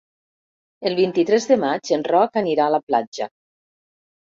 El vint-i-tres de maig en Roc anirà a la platja.